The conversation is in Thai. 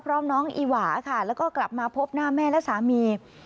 พร้อมน้องอีหวาค่ะแล้วก็กลับมาพบหน้าแม่และสามี